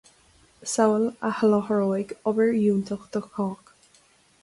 samhail a sholáthróidh obair fhiúntach do chách